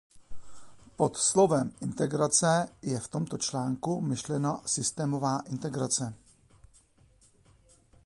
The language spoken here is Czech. Pod slovem integrace je v tomto článku myšlena systémová integrace.